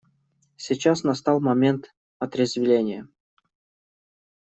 Сейчас настал момент отрезвления.